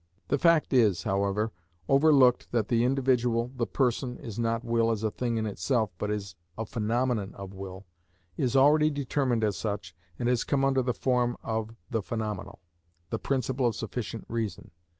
The fact is, however, overlooked that the individual, the person, is not will as a thing in itself, but is a phenomenon of will, is already determined as such, and has come under the form of the phenomenal, the principle of sufficient reason.